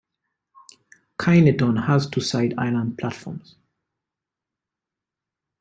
Kyneton has two side island platforms.